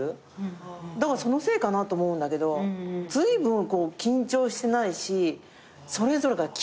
だからそのせいかなと思うんだけどずいぶん緊張してないしそれぞれが器用。